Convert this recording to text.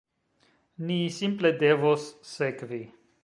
Ni simple devos sekvi.